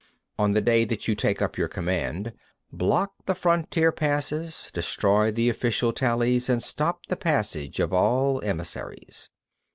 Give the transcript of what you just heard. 63. On the day that you take up your command, block the frontier passes, destroy the official tallies, and stop the passage of all emissaries.